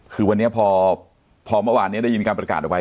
คือวันนี้พอเมื่อวานนี้ได้ยินการประกาศออกไป